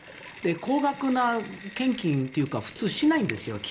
高額な献金、寄付は普通しないんです。